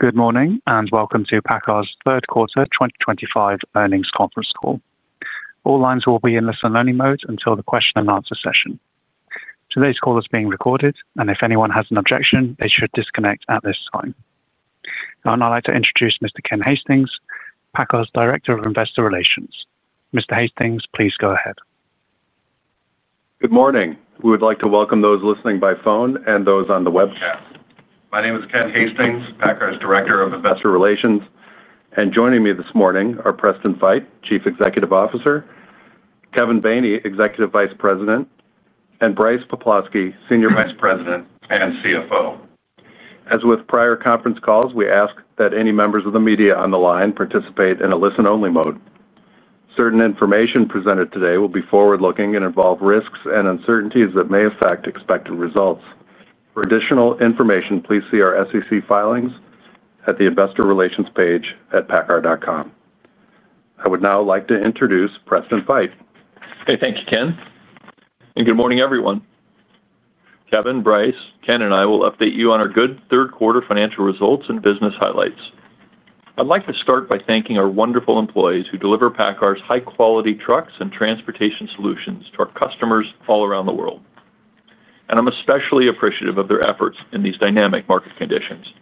Good morning and welcome to PACCAR's Third Quarter 2025 earnings conference call. All lines will be in listen and learning mode until the question and answer session. Today's call is being recorded, and if anyone has an objection, they should disconnect at this time. Now, I'd like to introduce Mr. Ken Hastings, PACCAR's Director of Investor Relations. Mr. Hastings, please go ahead. Good morning. We would like to welcome those listening by phone and those on the webcast. My name is Ken Hastings, PACCAR's Director of Investor Relations, and joining me this morning are Preston Feight, Chief Executive Officer, Kevin Baney, Executive Vice President, and Brice Poplawski, Chief Financial Officer. As with prior conference calls, we ask that any members of the media on the line participate in a listen-only mode. Certain information presented today will be forward-looking and involve risks and uncertainties that may affect expected results. For additional information, please see our SEC filings at the Investor Relations page at paccar.com. I would now like to introduce Preston Feight. Thank you, Ken. Good morning, everyone. Kevin, Brice, Ken, and I will update you on our good third quarter financial results and business highlights. I'd like to start by thanking our wonderful employees who deliver PACCAR's high-quality trucks and transportation solutions to our customers all around the world. I'm especially appreciative of their efforts in these dynamic market conditions.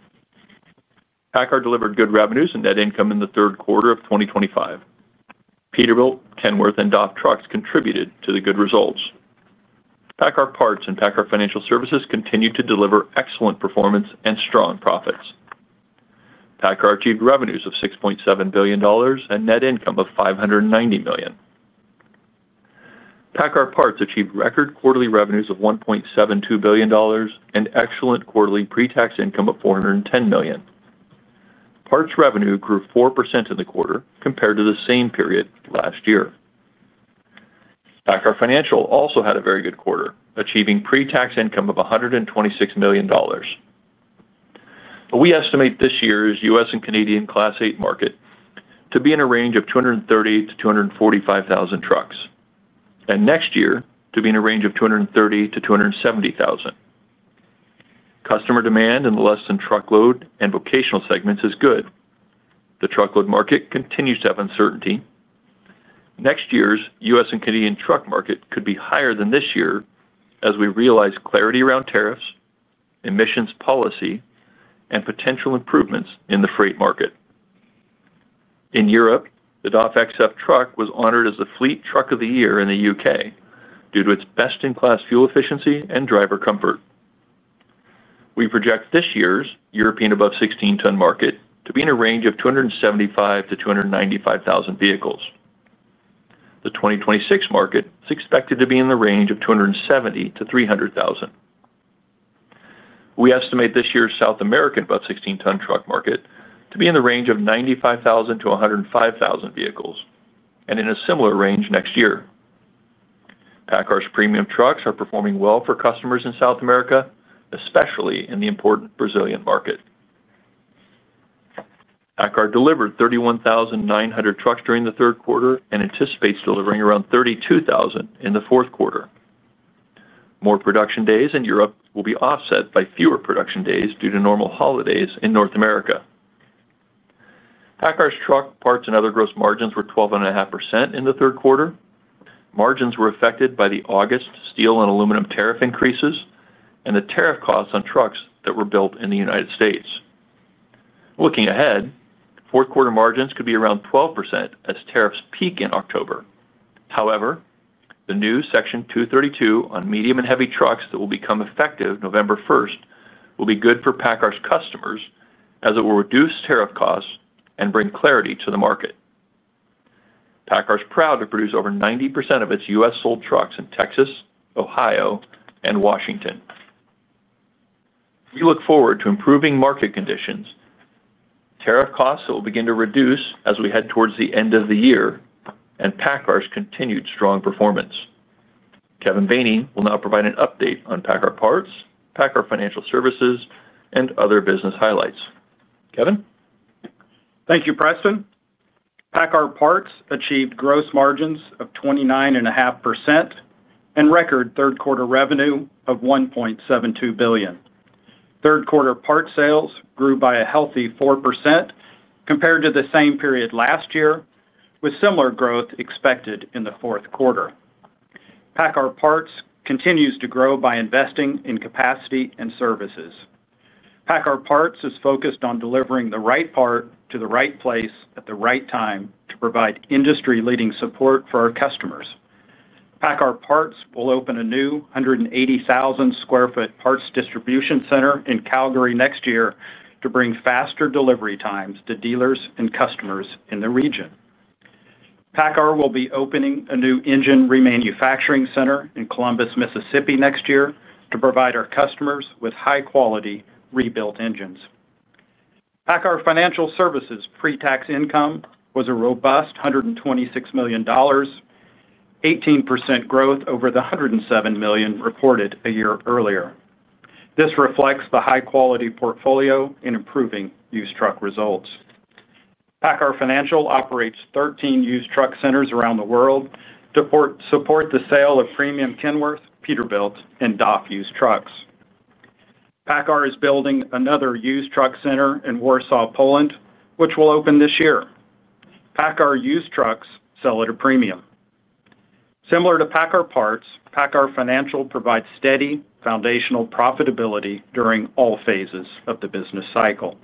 PACCAR delivered good revenues and net income in the third quarter of 2025. Peterbilt, Kenworth, and DAF Trucks contributed to the good results. PACCAR Parts and PACCAR Financial Services continued to deliver excellent performance and strong profits. PACCAR achieved revenues of $6.7 billion and net income of $590 million. PACCAR Parts achieved record quarterly revenues of $1.72 billion and excellent quarterly pre-tax income of $410 million. Parts revenue grew 4% in the quarter compared to the same period last year. PACCAR Financial also had a very good quarter, achieving pre-tax income of $126 million. We estimate this year's U.S. and Canadian Class eight market to be in a range of 238,000 - 245,000 trucks, and next year to be in a range of 230,000 - 270,000. Customer demand in the less than truckload and vocational segments is good. The truckload market continues to have uncertainty. Next year's U.S. and Canadian truck market could be higher than this year as we realize clarity around tariffs, emissions policy, and potential improvements in the freight market. In Europe, the DAF XF truck was honored as the Fleet Truck of the Year in the U.K. due to its best-in-class fuel efficiency and driver comfort. We project this year's European above 16-ton market to be in a range of 275,000 - 295,000 vehicles. The 2026 market is expected to be in the range of 270,000 - 300,000. We estimate this year's South American above 16-ton truck market to be in the range of 95,000 - 105,000 vehicles and in a similar range next year. PACCAR's premium trucks are performing well for customers in South America, especially in the important Brazilian market. PACCAR delivered 31,900 trucks during the third quarter and anticipates delivering around 32,000 in the fourth quarter. More production days in Europe will be offset by fewer production days due to normal holidays in North America. PACCAR's truck, parts, and other gross margins were 12.5% in the third quarter. Margins were affected by the August steel and aluminum tariff increases and the tariff costs on trucks that were built in the United States. Looking ahead, fourth quarter margins could be around 12% as tariffs peak in October. However, the new Section 232 tariffs on medium and heavy trucks that will become effective November 1st will be good for PACCAR's customers as it will reduce tariff costs and bring clarity to the market. PACCAR is proud to produce over 90% of its U.S.-sold trucks in Texas, Ohio, and Washington. We look forward to improving market conditions, tariff costs that will begin to reduce as we head towards the end of the year, and PACCAR's continued strong performance. Kevin Baney will now provide an update on PACCAR Parts, PACCAR Financial Services, and other business highlights. Kevin? Thank you, Preston. PACCAR Parts achieved gross margins of 29.5% and record third quarter revenue of $1.72 billion. Third quarter parts sales grew by a healthy 4% compared to the same period last year, with similar growth expected in the fourth quarter. PACCAR Parts continues to grow by investing in capacity and services. PACCAR Parts is focused on delivering the right part to the right place at the right time to provide industry-leading support for our customers. PACCAR Parts will open a new 180,000 sq ft parts distribution center in Calgary next year to bring faster delivery times to dealers and customers in the region. PACCAR will be opening a new engine remanufacturing center in Columbus, Mississippi, next year to provide our customers with high-quality rebuilt engines. PACCAR Financial Services' pre-tax income was a robust $126 million, 18% growth over the $107 million reported a year earlier. This reflects the high-quality portfolio in improving used truck results. PACCAR Financial operates 13 used truck centers around the world to support the sale of premium Kenworth, Peterbilt, and DAF used trucks. PACCAR is building another used truck center in Warsaw, Poland, which will open this year. PACCAR used trucks sell at a premium. Similar to PACCAR Parts, PACCAR Financial provides steady foundational profitability during all phases of the business cycle.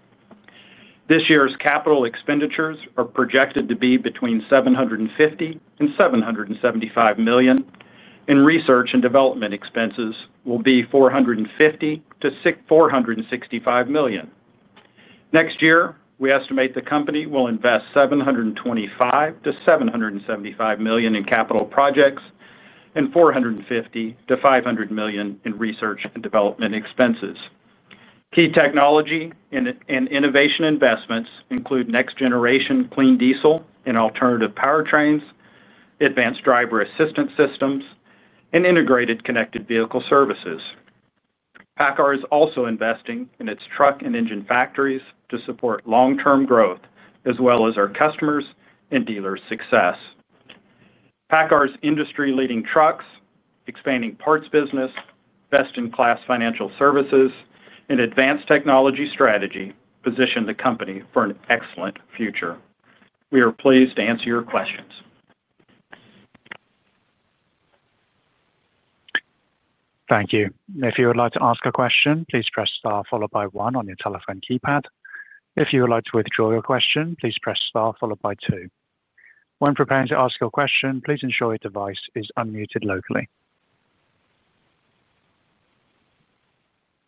This year's capital expenditures are projected to be between $750 million and $775 million, and research and development expenses will be $450 million - $465 million. Next year, we estimate the company will invest $725 million to $775 million in capital projects and $450 million to $500 million in research and development expenses. Key technology and innovation investments include next-generation clean diesel and alternative powertrains, advanced driver assistance systems, and integrated connected vehicle services. PACCAR is also investing in its truck and engine factories to support long-term growth as well as our customers' and dealers' success. PACCAR's industry-leading trucks, expanding parts business, best-in-class financial services, and advanced technology strategy position the company for an excellent future. We are pleased to answer your questions. Thank you. If you would like to ask a question, please press star followed by one on your telephone keypad. If you would like to withdraw your question, please press star followed by two. When preparing to ask your question, please ensure your device is unmuted locally.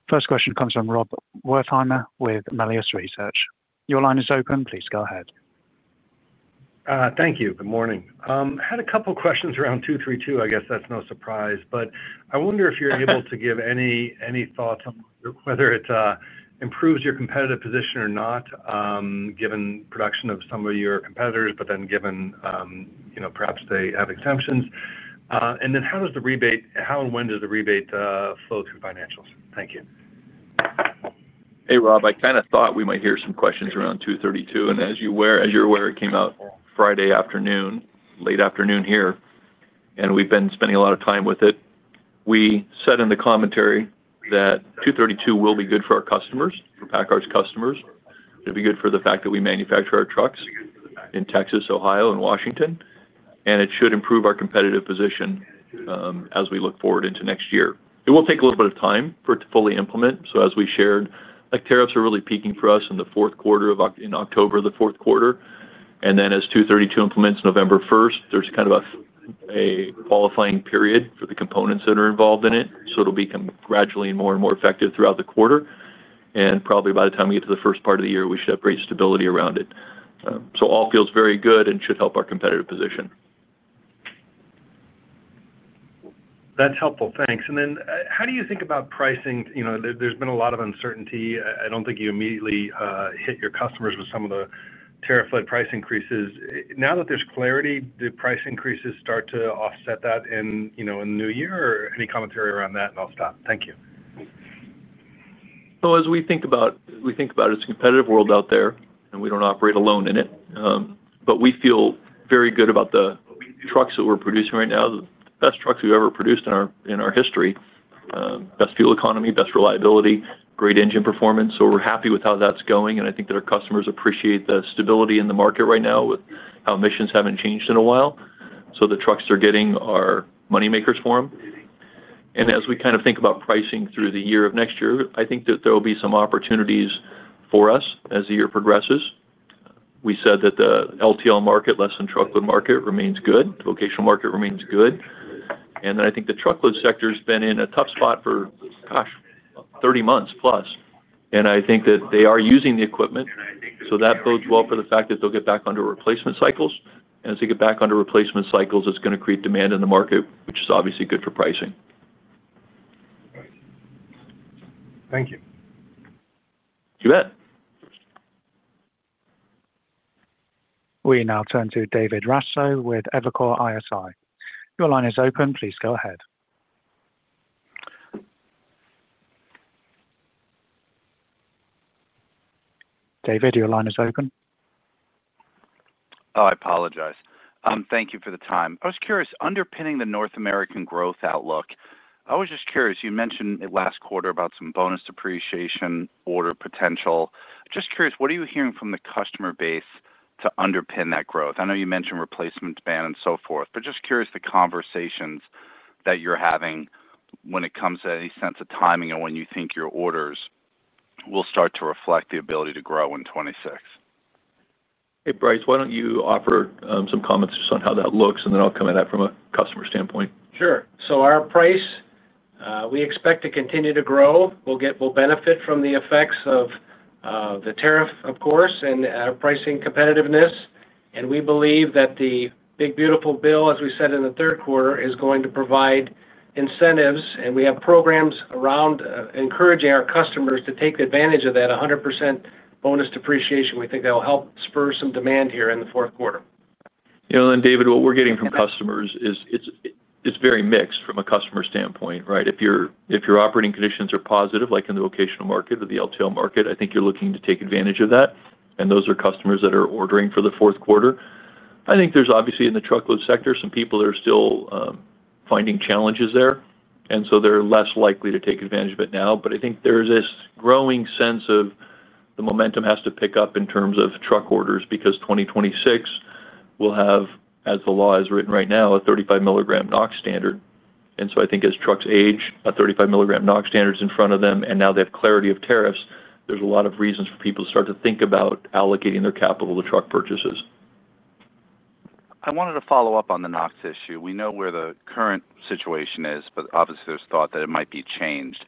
First question comes from Rob Wertheimer with Melius Research. Your line is open. Please go ahead. Thank you. Good morning. I had a couple of questions around Section 232 tariffs. I guess that's no surprise, but I wonder if you're able to give any thoughts on whether it improves your competitive position or not, given production of some of your competitors, but then given, you know, perhaps they have exemptions. How does the rebate, how and when does the rebate flow through financials? Thank you. Hey, Rob. I kind of thought we might hear some questions around Section 232 tariffs. As you're aware, it came out Friday afternoon, late afternoon here, and we've been spending a lot of time with it. We said in the commentary that Section 232 tariffs will be good for our customers, for PACCAR's customers. It'll be good for the fact that we manufacture our trucks in Texas, Ohio, and Washington, and it should improve our competitive position as we look forward into next year. It will take a little bit of time for it to fully implement. As we shared, tariffs are really peaking for us in the fourth quarter, in October, the fourth quarter. As Section 232 tariffs implement November 1st, there's kind of a qualifying period for the components that are involved in it. It'll become gradually more and more effective throughout the quarter. Probably by the time we get to the first part of the year, we should have great stability around it. All feels very good and should help our competitive position. That's helpful. Thanks. How do you think about pricing? You know, there's been a lot of uncertainty. I don't think you immediately hit your customers with some of the tariff-led price increases. Now that there's clarity, do price increases start to offset that in the new year or any commentary around that? I'll stop. Thank you. As we think about it, we think about it as a competitive world out there, and we don't operate alone in it. We feel very good about the trucks that we're producing right now, the best trucks we've ever produced in our history, best fuel economy, best reliability, great engine performance. We're happy with how that's going. I think that our customers appreciate the stability in the market right now with how emissions haven't changed in a while. The trucks they're getting are moneymakers for them. As we kind of think about pricing through the year of next year, I think that there will be some opportunities for us as the year progresses. We said that the less than truckload market remains good. The vocational market remains good. I think the truckload sector has been in a tough spot for, gosh, 30 months plus. I think that they are using the equipment. That bodes well for the fact that they'll get back onto replacement cycles. As they get back onto replacement cycles, it's going to create demand in the market, which is obviously good for pricing. Thank you. You bet. We now turn to David Raso with Evercore ISI. Your line is open. Please go ahead, David, your line is open. I apologize. Thank you for the time. I was curious, underpinning the North American growth outlook, I was just curious, you mentioned last quarter about some bonus depreciation order potential. Just curious, what are you hearing from the customer base to underpin that growth? I know you mentioned replacement demand and so forth, but just curious the conversations that you're having when it comes to any sense of timing and when you think your orders will start to reflect the ability to grow in 2026. Hey, Brice, why don't you offer some comments just on how that looks, and then I'll come at that from a customer standpoint? Sure. Our price, we expect to continue to grow. We'll benefit from the effects of the tariff, of course, and our pricing competitiveness. We believe that the big beautiful bill, as we said in the third quarter, is going to provide incentives. We have programs around encouraging our customers to take advantage of that 100% bonus depreciation. We think that will help spur some demand here in the fourth quarter. Yeah, and then David, what we're getting from customers is it's very mixed from a customer standpoint, right? If your operating conditions are positive, like in the vocational market or the LTL market, I think you're looking to take advantage of that. Those are customers that are ordering for the fourth quarter. There's obviously in the truckload sector some people that are still finding challenges there, so they're less likely to take advantage of it now. I think there's this growing sense of the momentum has to pick up in terms of truck orders because 2026 will have, as the law is written right now, a 35 mg NOx standard. I think as trucks age, a 35 mg NOx standard is in front of them. Now they have clarity of tariffs. There's a lot of reasons for people to start to think about allocating their capital to truck purchases. I wanted to follow up on the NOx issue. We know where the current situation is, but obviously there's thought that it might be changed.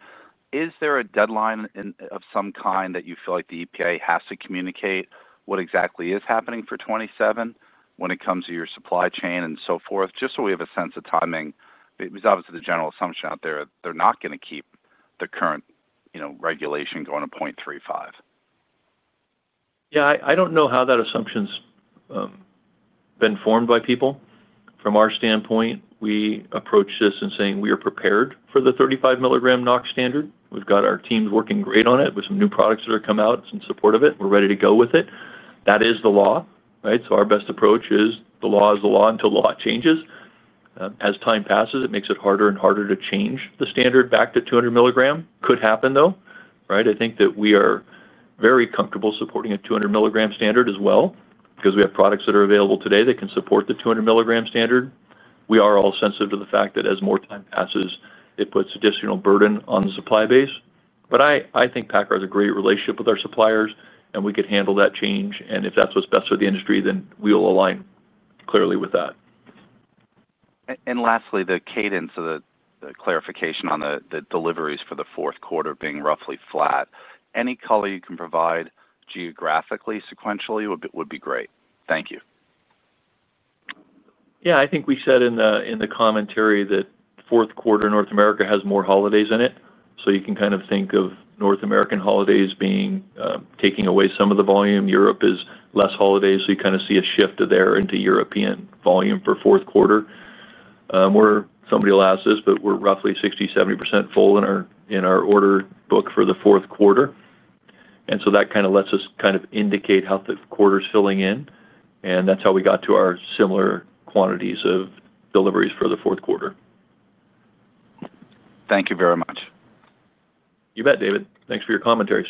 Is there a deadline of some kind that you feel like the EPA has to communicate what exactly is happening for 2027 when it comes to your supply chain and so forth, just so we have a sense of timing? It was obviously the general assumption out there that they're not going to keep the current, you know, regulation going to 0.35. Yeah, I don't know how that assumption's been formed by people. From our standpoint, we approach this in saying we are prepared for the EPA’s 35 mg NOx standard. We've got our teams working great on it with some new products that are coming out in support of it. We're ready to go with it. That is the law, right? Our best approach is the law is the law until the law changes. As time passes, it makes it harder and harder to change the standard back to 200 mg. Could happen though, right? I think that we are very comfortable supporting a 200 mg standard as well because we have products that are available today that can support the 200 mg standard. We are all sensitive to the fact that as more time passes, it puts additional burden on the supply base. I think PACCAR has a great relationship with our suppliers and we could handle that change. If that's what's best for the industry, then we will align clearly with that. Lastly, the cadence of the clarification on the deliveries for the fourth quarter being roughly flat, any color you can provide geographically, sequentially would be great. Thank you. Yeah, I think we said in the commentary that the fourth quarter North America has more holidays in it. You can kind of think of North American holidays being taking away some of the volume. Europe is less holidays, so you kind of see a shift there into European volume for the fourth quarter. Somebody will ask this, but we're roughly 60% - 70% full in our order book for the fourth quarter. That kind of lets us indicate how the quarter's filling in. That's how we got to our similar quantities of deliveries for the fourth quarter. Thank you very much. You bet, David. Thanks for your commentaries.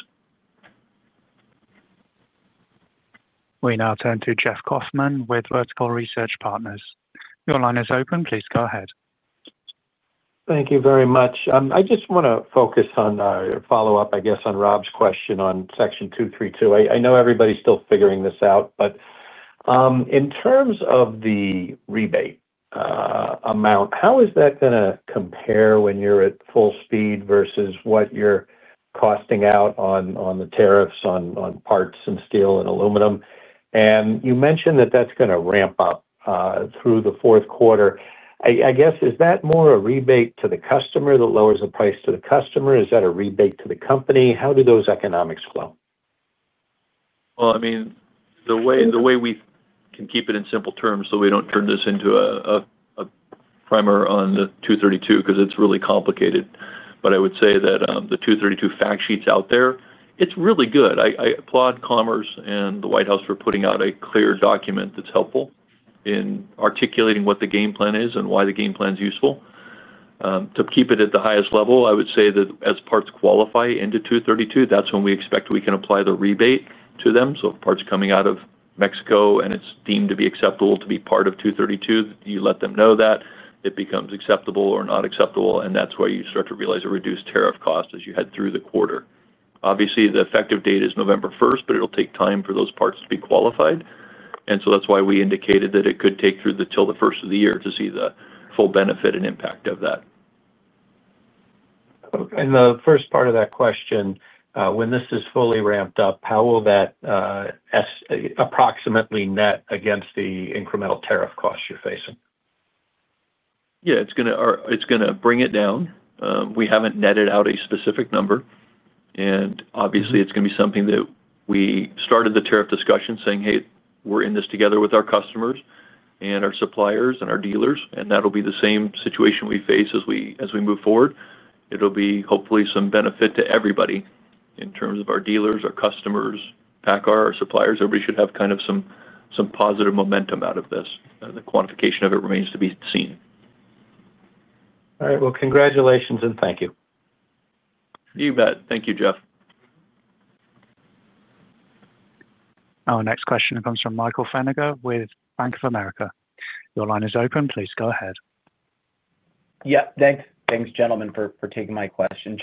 We now turn to Jeff Kauffman with Vertical Research Partners. Your line is open. Please go ahead. Thank you very much. I just want to focus on a follow-up, I guess, on Rob's question on Section 232 tariffs. I know everybody's still figuring this out, but in terms of the rebate amount, how is that going to compare when you're at full speed versus what you're costing out on the tariffs on parts and steel and aluminum? You mentioned that that's going to ramp up through the fourth quarter. I guess, is that more a rebate to the customer that lowers the price to the customer? Is that a rebate to the company? How do those economics flow? I mean, the way we can keep it in simple terms so we don't turn this into a primer on the Section 232 tariffs because it's really complicated. I would say that the Section 232 fact sheets out there are really good. I applaud Commerce and the White House for putting out a clear document that's helpful in articulating what the game plan is and why the game plan is useful. To keep it at the highest level, I would say that as parts qualify into Section 232 tariffs, that's when we expect we can apply the rebate to them. If parts are coming out of Mexico and it's deemed to be acceptable to be part of Section 232 tariffs, you let them know that it becomes acceptable or not acceptable. That's why you start to realize a reduced tariff cost as you head through the quarter. Obviously, the effective date is November 1st, but it'll take time for those parts to be qualified. That's why we indicated that it could take through till the first of the year to see the full benefit and impact of that. In the first part of that question, when this is fully ramped up, how will that approximately net against the incremental tariff costs you're facing? Yeah, it's going to bring it down. We haven't netted out a specific number. Obviously, it's going to be something that we started the tariff discussion saying, "Hey, we're in this together with our customers and our suppliers and our dealers." That'll be the same situation we face as we move forward. Hopefully, some benefit to everybody in terms of our dealers, our customers, PACCAR, our suppliers. Everybody should have kind of some positive momentum out of this. The quantification of it remains to be seen. All right. Congratulations and thank you. You bet. Thank you, Jeff. Our next question comes from Michael Feniger with Bank of America. Your line is open. Please go ahead. Yeah, thanks. Thanks, gentlemen, for taking my question.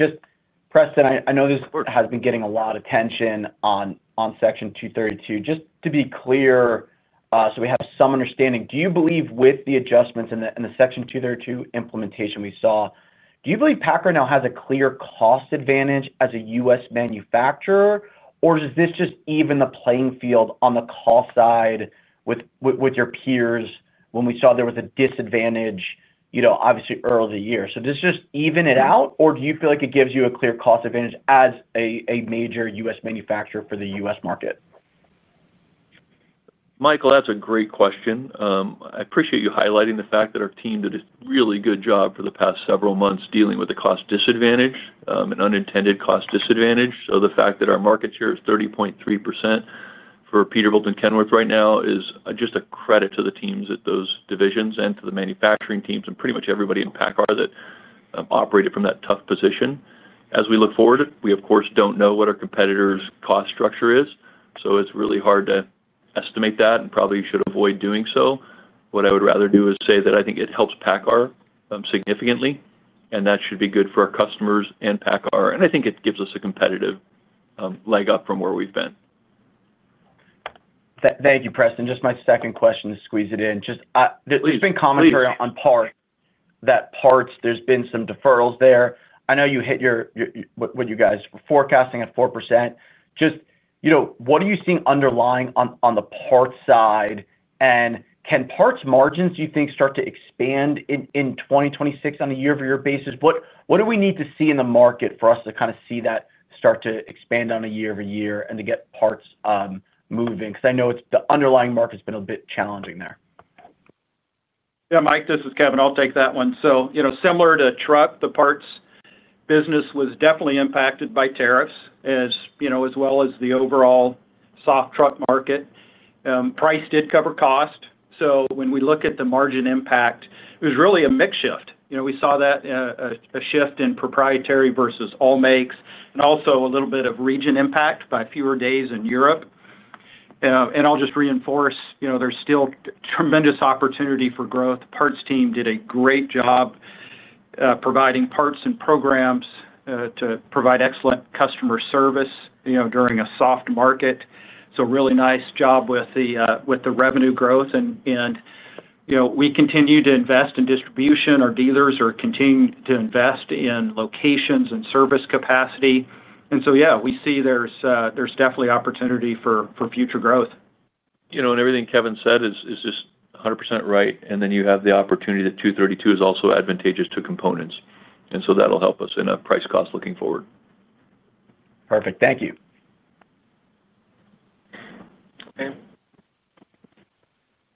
Preston, I know this has been getting a lot of attention on Section 232. Just to be clear, so we have some understanding, do you believe with the adjustments in the Section 232 implementation we saw, do you believe PACCAR now has a clear cost advantage as a U.S. manufacturer, or does this just even the playing field on the cost side with your peers when we saw there was a disadvantage, obviously early in the year? Does this just even it out, or do you feel like it gives you a clear cost advantage as a major U.S. manufacturer for the U.S. market? Michael, that's a great question. I appreciate you highlighting the fact that our team did a really good job for the past several months dealing with the cost disadvantage, an unintended cost disadvantage. The fact that our market share is 30.3% for Peterbilt and Kenworth right now is just a credit to the teams at those divisions and to the manufacturing teams and pretty much everybody in PACCAR that operated from that tough position. As we look forward, we, of course, don't know what our competitors' cost structure is. It's really hard to estimate that and probably should avoid doing so. What I would rather do is say that I think it helps PACCAR significantly, and that should be good for our customers and PACCAR. I think it gives us a competitive leg up from where we've been. Thank you, Preston. Just my second question to squeeze it in. There's been commentary on parts, that parts, there's been some deferrals there. I know you hit your, what you guys were forecasting at 4%. Just, you know, what are you seeing underlying on the parts side? Can parts margins, do you think, start to expand in 2026 on a year-over-year basis? What do we need to see in the market for us to kind of see that start to expand on a year-over-year and to get parts moving? I know the underlying market's been a bit challenging there. Yeah, Mike, this is Kevin. I'll take that one. Similar to truck, the parts business was definitely impacted by tariffs, as you know, as well as the overall soft truck market. Price did cover cost. When we look at the margin impact, it was really a mix shift. We saw that a shift in proprietary versus all makes and also a little bit of region impact by fewer days in Europe. I'll just reinforce, there's still tremendous opportunity for growth. The parts team did a great job providing parts and programs to provide excellent customer service during a soft market. Really nice job with the revenue growth. We continue to invest in distribution. Our dealers are continuing to invest in locations and service capacity. We see there's definitely opportunity for future growth. You know, everything Kevin said is just 100% right. You have the opportunity that Section 232 tariffs are also advantageous to components, so that'll help us in a price cost looking forward. Perfect. Thank you.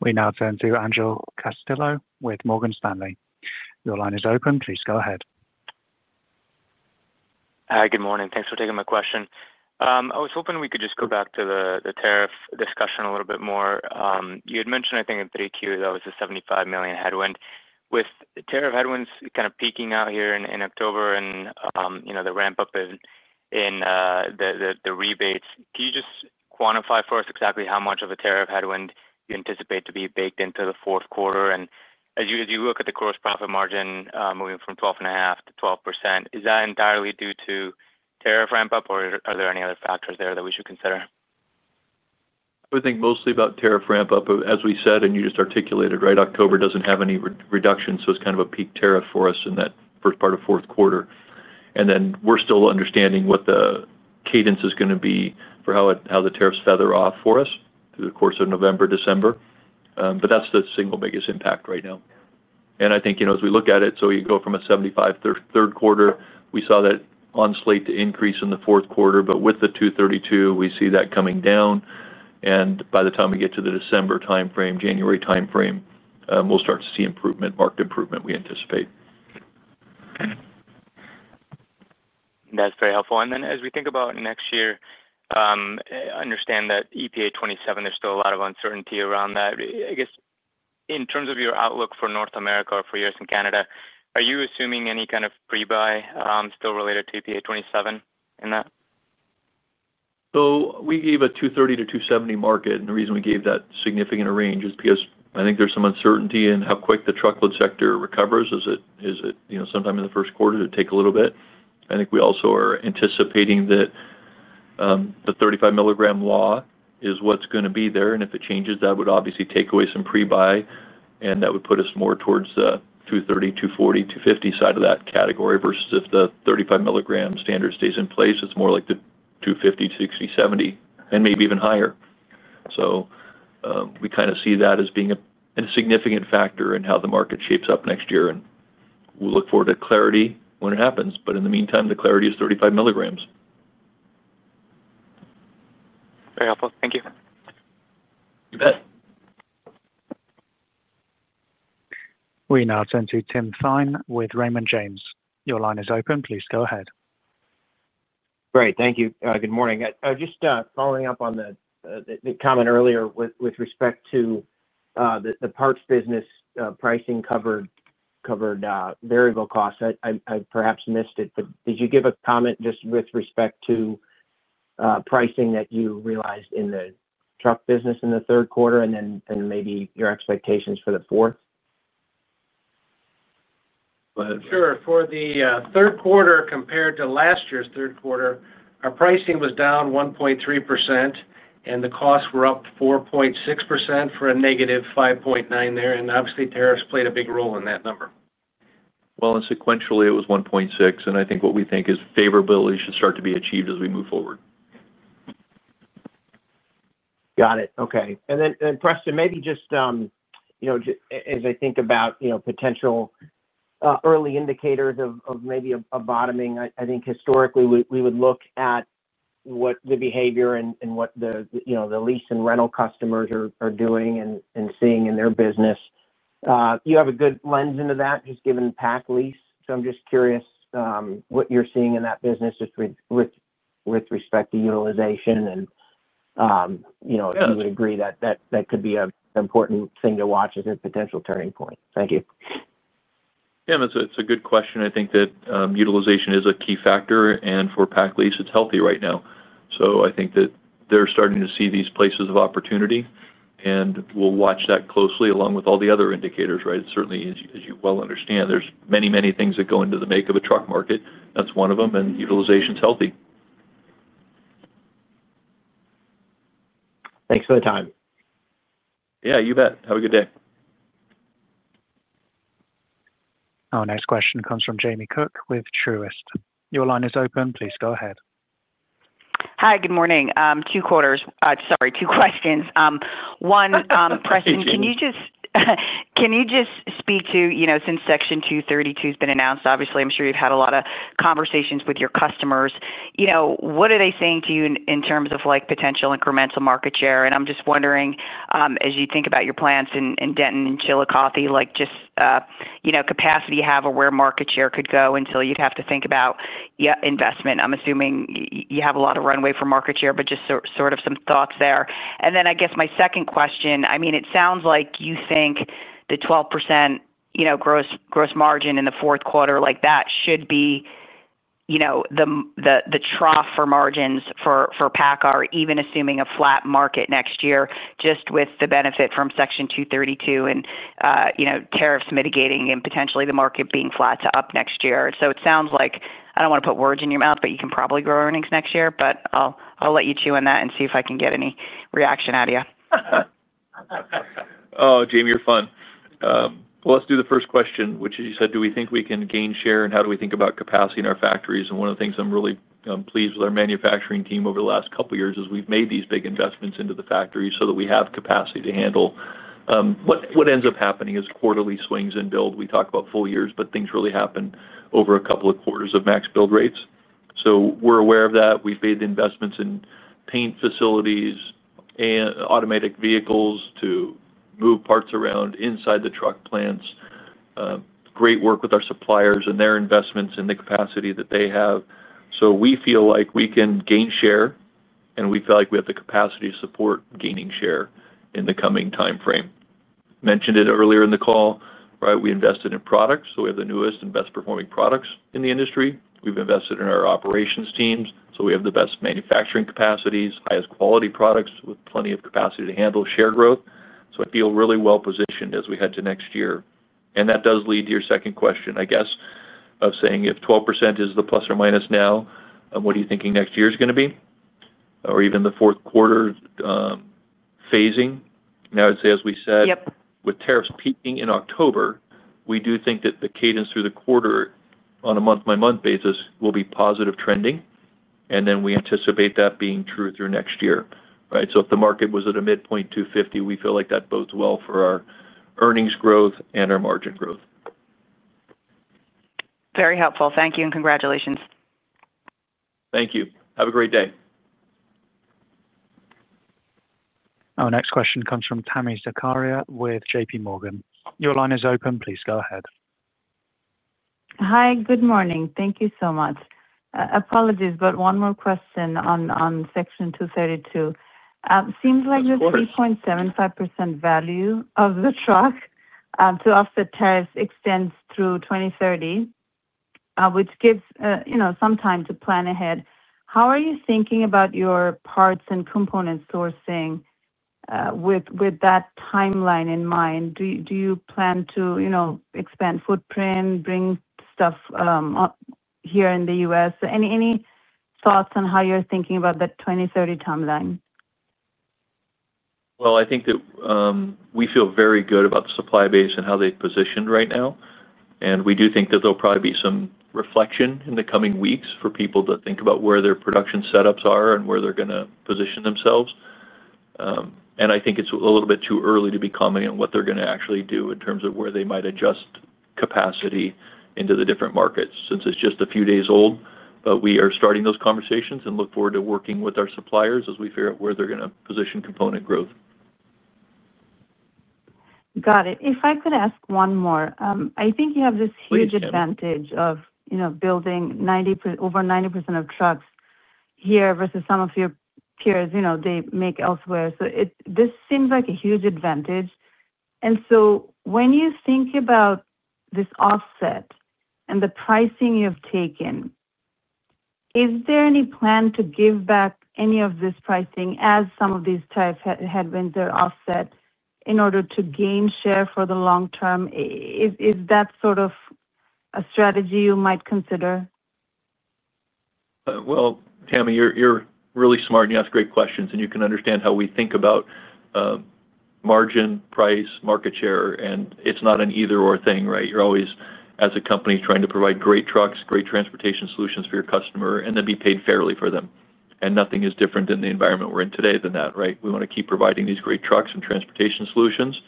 We now turn to Angel Castillo with Morgan Stanley. Your line is open. Please go ahead. Hi, good morning. Thanks for taking my question. I was hoping we could just go back to the tariff discussion a little bit more. You had mentioned, I think, in 3Q that was a $75 million headwind. With tariff headwinds kind of peaking out here in October and the ramp up in the rebates, can you just quantify for us exactly how much of a tariff headwind you anticipate to be baked into the fourth quarter? As you look at the gross profit margin moving from 12.5% to 12%, is that entirely due to tariff ramp up or are there any other factors there that we should consider? I would think mostly about tariff ramp up. As we said, and you just articulated, right, October doesn't have any reduction. It's kind of a peak tariff for us in that first part of fourth quarter. We're still understanding what the cadence is going to be for how the tariffs feather off for us through the course of November, December. That's the single biggest impact right now. I think, you know, as we look at it, you go from a 75 third quarter, we saw that on-slate to increase in the fourth quarter. With the Section 232 tariffs, we see that coming down. By the time we get to the December timeframe, January timeframe, we'll start to see improvement, marked improvement we anticipate. That's very helpful. As we think about next year, I understand that EPA 27, there's still a lot of uncertainty around that. I guess in terms of your outlook for North America or for yours in Canada, are you assuming any kind of pre-buy still related to EPA 27 in that? We gave a 230 - 270 market, and the reason we gave that significant range is because I think there's some uncertainty in how quick the truckload sector recovers. Is it, you know, sometime in the first quarter to take a little bit? I think we also are anticipating that the 35 mg NOx standard is what's going to be there, and if it changes, that would obviously take away some pre-buy. That would put us more towards the 230, 240, 250 side of that category versus if the 35 mg standard stays in place, it's more like the 250, 260, 270, and maybe even higher. We kind of see that as being a significant factor in how the market shapes up next year, and we'll look forward to clarity when it happens. In the meantime, the clarity is 35 mg. Very helpful. Thank you. You bet. We now turn to Tim Thein with Raymond James. Your line is open. Please go ahead. Right. Thank you. Good morning. I was just following up on the comment earlier with respect to the parts business pricing covered variable costs. I perhaps missed it, but did you give a comment just with respect to pricing that you realized in the truck business in the third quarter, and then maybe your expectations for the fourth? Sure. For the third quarter compared to last year's third quarter, our pricing was down 1.3% and the costs were up 4.6% for a -5.9% there. Tariffs played a big role in that number. Sequentially, it was 1.6%. I think what we think is favorability should start to be achieved as we move forward. Got it. Okay. Preston, maybe just, you know, as I think about, you know, potential early indicators of maybe a bottoming, I think historically we would look at what the behavior and what the, you know, the lease and rental customers are doing and seeing in their business. You have a good lens into that just given the PACCAR Leasing. I'm just curious what you're seeing in that business with respect to utilization. You would agree that that could be an important thing to watch as a potential turning point. Thank you. Yeah, it's a good question. I think that utilization is a key factor. For PACCAR Leasing, it's healthy right now. I think that they're starting to see these places of opportunity, and we'll watch that closely along with all the other indicators, right? Certainly, as you well understand, there are many, many things that go into the make of a truck market. That's one of them, and utilization is healthy. Thanks for the time. Yeah, you bet. Have a good day. Our next question comes from Jamie Cook with Truist. Your line is open. Please go ahead. Hi, good morning. Two questions. One, Preston, can you just speak to, you know, since Section 232 has been announced, obviously, I'm sure you've had a lot of conversations with your customers. You know, what are they saying to you in terms of like potential incremental market share? I'm just wondering, as you think about your plants in Denton and Chillicothe, like just, you know, capacity you have or where market share could go until you'd have to think about your investment. I'm assuming you have a lot of runway for market share, but just sort of some thoughts there. I guess my second question, I mean, it sounds like you think the 12% gross margin in the fourth quarter, like that should be, you know, the trough for margins for PACCAR, or even assuming a flat market next year, just with the benefit from Section 232 and, you know, tariffs mitigating and potentially the market being flat to up next year. It sounds like, I don't want to put words in your mouth, but you can probably grow earnings next year. I'll let you chew on that and see if I can get any reaction out of you. Oh, Jamie, you're fun. Let's do the first question, which is, you said, do we think we can gain share and how do we think about capacity in our factories? One of the things I'm really pleased with our manufacturing team over the last couple of years is we've made these big investments into the factories so that we have capacity to handle what ends up happening as quarterly swings in build. We talk about full years, but things really happen over a couple of quarters of max build rates. We're aware of that. We've made the investments in paint facilities and automatic vehicles to move parts around inside the truck plants. Great work with our suppliers and their investments in the capacity that they have. We feel like we can gain share and we feel like we have the capacity to support gaining share in the coming timeframe. Mentioned it earlier in the call, right? We invested in products. We have the newest and best-performing products in the industry. We've invested in our operations teams. We have the best manufacturing capacities, highest quality products with plenty of capacity to handle share growth. I feel really well positioned as we head to next year. That does lead to your second question, I guess, of saying if 12% is the plus or minus now, what are you thinking next year is going to be? Or even the fourth quarter phasing. I would say, as we said, with tariffs peaking in October, we do think that the cadence through the quarter on a month-by-month basis will be positive trending. We anticipate that being true through next year, right? If the market was at a midpoint 250, we feel like that bodes well for our earnings growth and our margin growth. Very helpful. Thank you and congratulations. Thank you. Have a great day. Our next question comes from Tami Zakaria with JPMorgan. Your line is open. Please go ahead. Hi, good morning. Thank you so much. Apologies, but one more question on Section 232. It seems like the 3.75% value of the truck to offset tariffs extends through 2030, which gives some time to plan ahead. How are you thinking about your parts and component sourcing with that timeline in mind? Do you plan to expand footprint, bring stuff here in the U.S.? Any thoughts on how you're thinking about that 2030 timeline? I think that we feel very good about the supply base and how they've positioned right now. We do think that there'll probably be some reflection in the coming weeks for people to think about where their production setups are and where they're going to position themselves. I think it's a little bit too early to be commenting on what they're going to actually do in terms of where they might adjust capacity into the different markets since it's just a few days old. We are starting those conversations and look forward to working with our suppliers as we figure out where they're going to position component growth. Got it. If I could ask one more, I think you have this huge advantage of building over 90% of trucks here versus some of your peers, you know, they make elsewhere. This seems like a huge advantage. When you think about this offset and the pricing you've taken, is there any plan to give back any of this pricing as some of these tariff headwinds are offset in order to gain share for the long term? Is that sort of a strategy you might consider? Tammy, you're really smart and you ask great questions, and you can understand how we think about margin, price, market share, and it's not an either-or thing, right? You're always, as a company, trying to provide great trucks, great transportation solutions for your customer, and then be paid fairly for them. Nothing is different in the environment we're in today than that, right? We want to keep providing these great trucks and transportation solutions.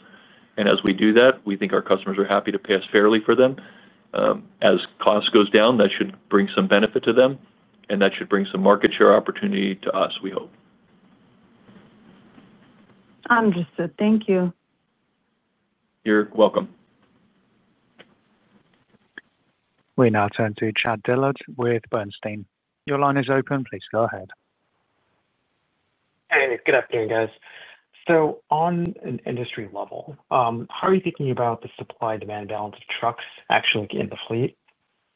As we do that, we think our customers are happy to pay us fairly for them. As cost goes down, that should bring some benefit to them, and that should bring some market share opportunity to us, we hope. Understood. Thank you. You're welcome. We now turn to Chad Dillard with Bernstein. Your line is open. Please go ahead. Good afternoon, guys. On an industry level, how are you thinking about the supply-demand balance of trucks actually in the fleet?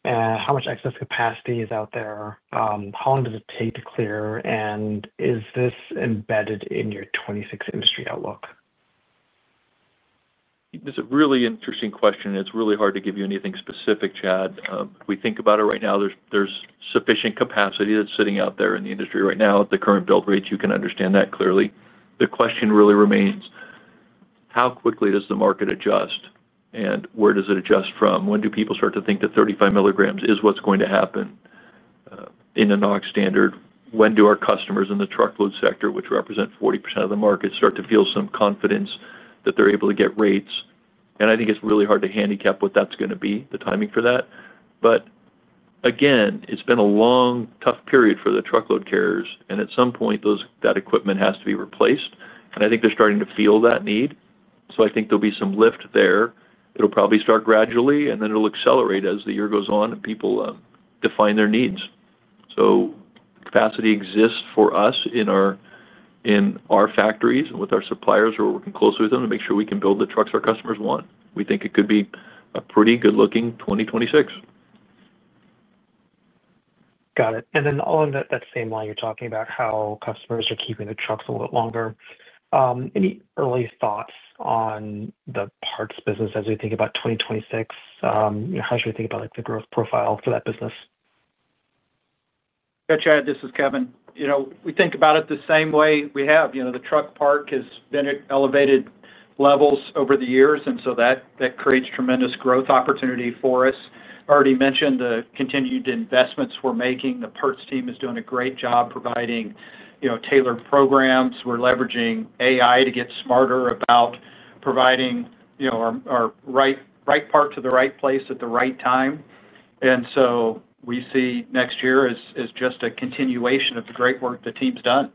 How much excess capacity is out there? How long does it take to clear? Is this embedded in your 2026 industry outlook? That's a really interesting question. It's really hard to give you anything specific, Chad. If we think about it right now, there's sufficient capacity that's sitting out there in the industry right now at the current build rates. You can understand that clearly. The question really remains, how quickly does the market adjust? Where does it adjust from? When do people start to think that 35 mg is what's going to happen in the NOx standard? When do our customers in the truckload sector, which represent 40% of the market, start to feel some confidence that they're able to get rates? I think it's really hard to handicap what that's going to be, the timing for that. It's been a long, tough period for the truckload carriers. At some point, that equipment has to be replaced. I think they're starting to feel that need. I think there'll be some lift there. It'll probably start gradually, and then it'll accelerate as the year goes on and people define their needs. The capacity exists for us in our factories and with our suppliers who are working closely with them to make sure we can build the trucks our customers want. We think it could be a pretty good-looking 2026. Got it. On that same line, you're talking about how customers are keeping the trucks a little bit longer. Any early thoughts on the parts business as we think about 2026? How should we think about the growth profile for that business? Yeah, Chad, this is Kevin. We think about it the same way we have. The truck park has been at elevated levels over the years, and that creates tremendous growth opportunity for us. I already mentioned the continued investments we're making. The parts team is doing a great job providing tailored programs. We're leveraging AI to get smarter about providing our right part to the right place at the right time. We see next year as just a continuation of the great work the team's done.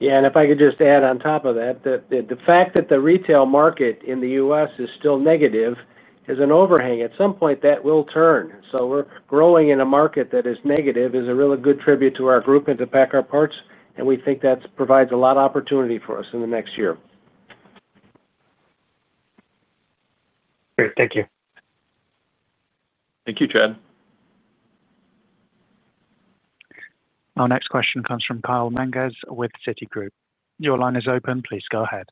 Yeah, if I could just add on top of that, the fact that the retail market in the U.S. is still negative is an overhang. At some point, that will turn. We're growing in a market that is negative, which is a really good tribute to our group and to PACCAR Parts. We think that provides a lot of opportunity for us in the next year. Great. Thank you. Thank you, Chad. Our next question comes from Kyle Menges with Citigroup. Your line is open. Please go ahead.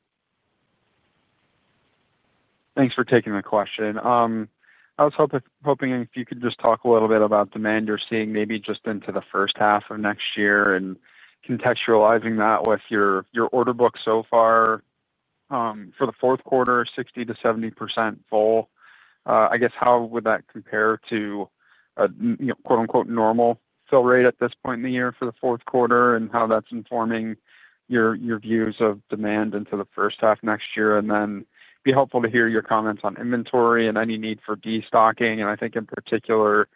Thanks for taking the question. I was hoping if you could just talk a little bit about demand you're seeing maybe just into the first half of next year and contextualizing that with your order book so far for the fourth quarter, 60% - 70% full. I guess how would that compare to a, you know, quote-unquote, "normal" fill rate at this point in the year for the fourth quarter and how that's informing your views of demand into the first half next year? It'd be helpful to hear your comments on inventory and any need for destocking. I think in particular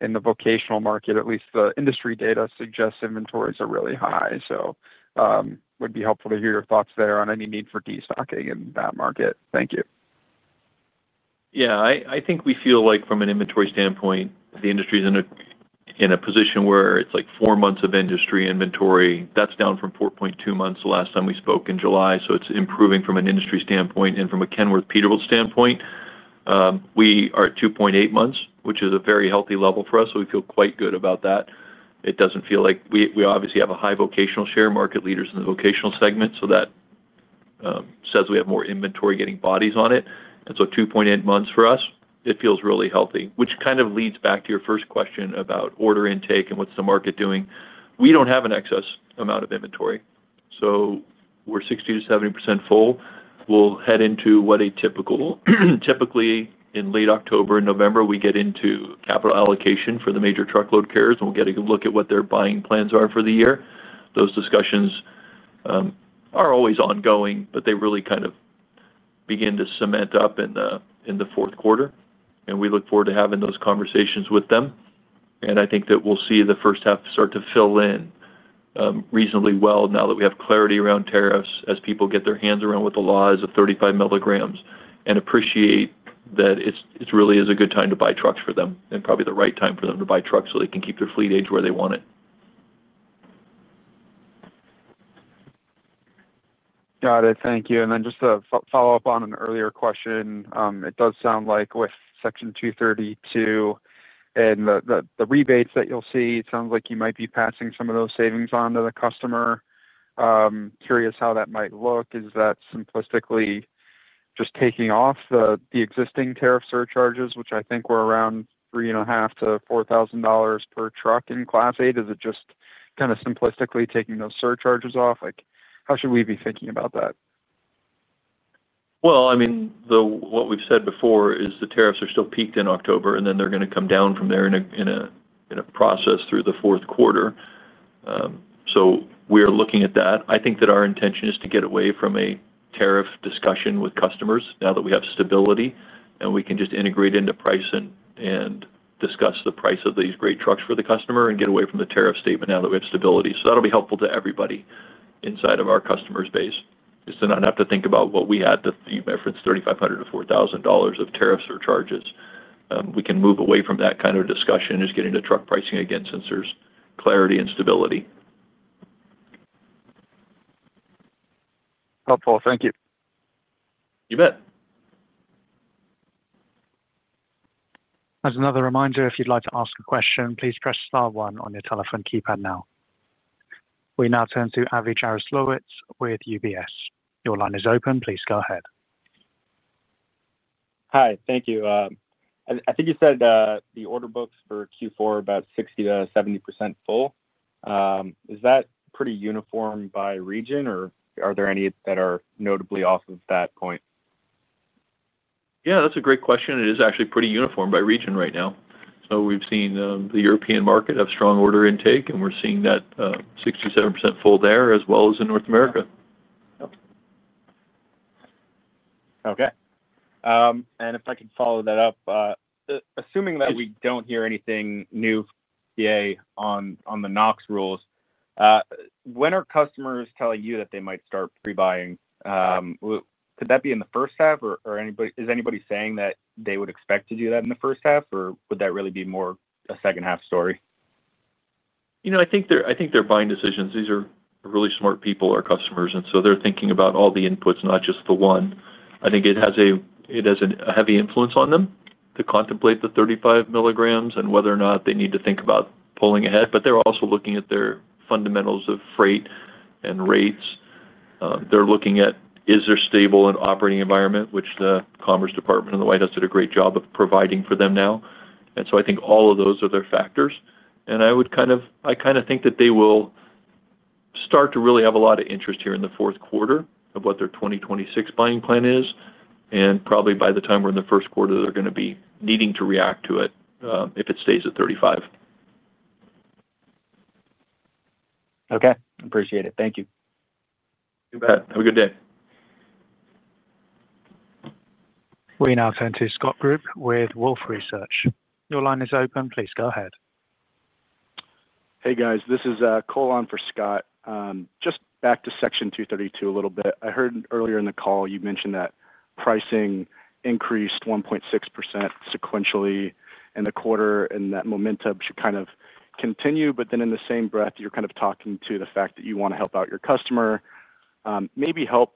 in the vocational market, at least the industry data suggests inventories are really high. It would be helpful to hear your thoughts there on any need for destocking in that market. Thank you. Yeah, I think we feel like from an inventory standpoint, the industry is in a position where it's like four months of industry inventory. That's down from 4.2 months the last time we spoke in July. It's improving from an industry standpoint and from a Kenworth Peterbilt standpoint. We are at 2.8 months, which is a very healthy level for us. We feel quite good about that. It doesn't feel like we obviously have a high vocational share, market leaders in the vocational segment. That says we have more inventory getting bodies on it. 2.8 months for us feels really healthy, which kind of leads back to your first question about order intake and what's the market doing. We don't have an excess amount of inventory. We're 60% - 70% full. We'll head into what typically in late October, November, we get into capital allocation for the major truckload carriers, and we'll get a look at what their buying plans are for the year. Those discussions are always ongoing, but they really kind of begin to cement up in the fourth quarter. We look forward to having those conversations with them. I think that we'll see the first half start to fill in reasonably well now that we have clarity around tariffs as people get their hands around with the laws of 35 mg and appreciate that it really is a good time to buy trucks for them and probably the right time for them to buy trucks so they can keep their fleet age where they want it. Got it. Thank you. Just to follow up on an earlier question, it does sound like with Section 232 and the rebates that you'll see, it sounds like you might be passing some of those savings on to the customer. Curious how that might look. Is that simplistically just taking off the existing tariff surcharges, which I think were around $3,500 - $4,000 per truck in Class eight? Is it just kind of simplistically taking those surcharges off? How should we be thinking about that? What we've said before is the tariffs still peaked in October, and they're going to come down from there in a process through the fourth quarter. We are looking at that. I think that our intention is to get away from a tariff discussion with customers now that we have stability, and we can just integrate into pricing and discuss the price of these great trucks for the customer and get away from the tariff statement now that we have stability. That'll be helpful to everybody inside of our customers' base, to not have to think about what we had to, for instance, $3,500 - $4,000 of tariff surcharges. We can move away from that kind of discussion, just getting to truck pricing again since there's clarity and stability. Helpful. Thank you. You bet. As another reminder, if you'd like to ask a question, please press star one on your telephone keypad now. We now turn to Avi Jaroslawicz with UBS. Your line is open. Please go ahead. Hi. Thank you. I think you said the order books for Q4 are about 60% - 70% full. Is that pretty uniform by region, or are there any that are notably off of that point? Yeah, that's a great question. It is actually pretty uniform by region right now. We've seen the European market have strong order intake, and we're seeing that 67% full there as well as in North America. Okay. If I can follow that up, assuming that we don't hear anything new from the NOx rules, when are customers telling you that they might start pre-buying? Could that be in the first half, or is anybody saying that they would expect to do that in the first half, or would that really be more a second-half story? You know, I think they're buying decisions. These are really smart people, our customers, and they're thinking about all the inputs, not just the one. I think it has a heavy influence on them to contemplate the 35 mg and whether or not they need to think about pulling ahead. They're also looking at their fundamentals of freight and rates. They're looking at, is there stable in an operating environment, which the Commerce Department and the White House did a great job of providing for them now. I think all of those are their factors. I kind of think that they will start to really have a lot of interest here in the fourth quarter of what their 2026 buying plan is, and probably by the time we're in the first quarter, they're going to be needing to react to it if it stays at 35. Okay, appreciate it. Thank you. You bet. Have a good day. We now turn to Scott Group with Wolfe Research. Your line is open. Please go ahead. Hey, guys. This is Cole on for Scott. Just back to Section 232 a little bit. I heard earlier in the call you mentioned that pricing increased 1.6% sequentially in the quarter and that momentum should kind of continue. In the same breath, you're kind of talking to the fact that you want to help out your customer. Maybe help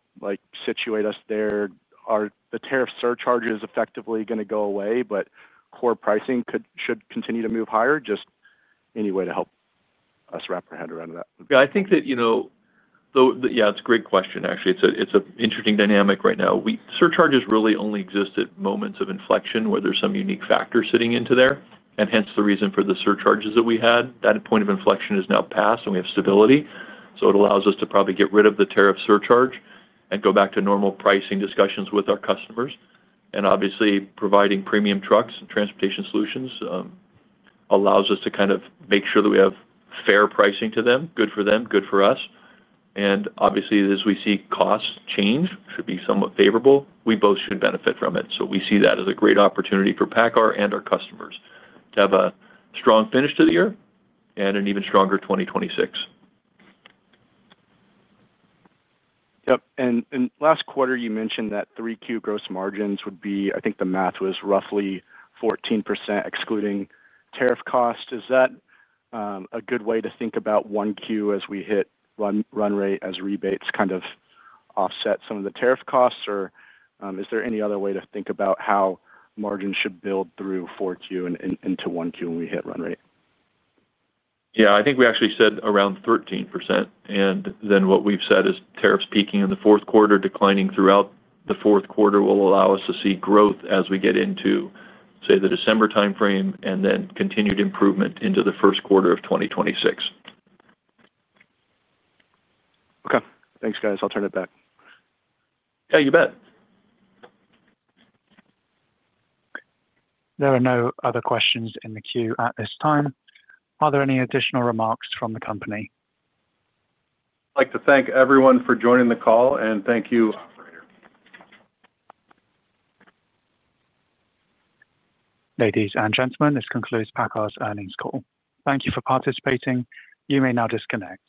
situate us there. Are the tariff surcharges effectively going to go away, but core pricing should continue to move higher? Just any way to help us wrap our head around that would be. Yeah, I think that, you know, it's a great question, actually. It's an interesting dynamic right now. Surcharges really only exist at moments of inflection where there's some unique factor sitting into there. Hence the reason for the surcharges that we had. That point of inflection is now passed and we have stability. It allows us to probably get rid of the tariff surcharge and go back to normal pricing discussions with our customers. Obviously, providing premium trucks and transportation solutions allows us to make sure that we have fair pricing to them, good for them, good for us. Obviously, as we see costs change, should be somewhat favorable. We both should benefit from it. We see that as a great opportunity for PACCAR and our customers to have a strong finish to the year and an even stronger 2026. Yep. Last quarter, you mentioned that 3Q gross margins would be, I think the math was roughly 14% excluding tariff costs. Is that a good way to think about 1Q as we hit run rate as rebates kind of offset some of the tariff costs, or is there any other way to think about how margins should build through 4Q and into 1Q when we hit run rate? Yeah, I think we actually said around 13%. What we've said is tariffs peaking in the fourth quarter, declining throughout the fourth quarter will allow us to see growth as we get into, say, the December timeframe and then continued improvement into the first quarter of 2026. Okay. Thanks, guys. I'll turn it back. Yeah, you bet. There are no other questions in the queue at this time. Are there any additional remarks from the company? I'd like to thank everyone for joining the call, and thank you. Ladies and gentlemen, this concludes PACCAR's earnings call. Thank you for participating. You may now disconnect.